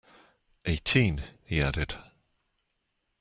Eighteen, he added.